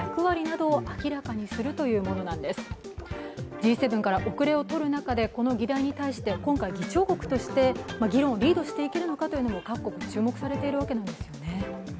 Ｇ７から遅れを取る中でこの議論について議長国として議論をリードしていけるのかというのも各国注目されているわけですよね。